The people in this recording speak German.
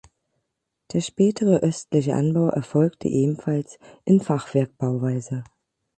Der spätere östliche Anbau erfolgte ebenfalls in Fachwerkbauweise.